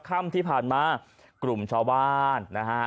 ค่ำที่ผ่านมากลุ่มชาวบ้านนะฮะ